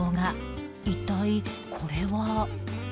一体これは？